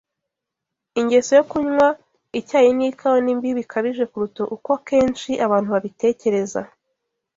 Ingeso yo kunywa icyayi n’ikawa ni mbi bikabije kuruta uko kenshi abantu babitekereza